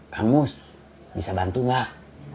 kangmus bisa bantu gak